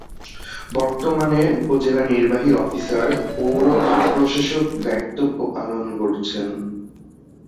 বর্তমানে উপজেলা নির্বাহী অফিসার পৌর প্রশাসকের দায়িত্ব পালন করছেন।